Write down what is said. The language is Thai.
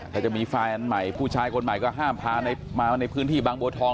ถ้าจะมีแฟนอันใหม่ผู้ชายคนใหม่ก็ห้ามพามาในพื้นที่บางบัวทอง